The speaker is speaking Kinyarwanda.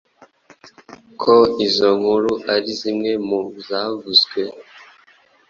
ko izo nkuru ari zimwe mu zavuzwe